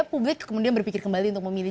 publik kemudian berpikir kembali untuk memilih